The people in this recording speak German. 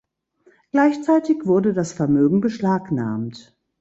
Gleichzeitig wurde das Vermögen beschlagnahmt.